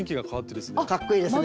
かっこいいですね！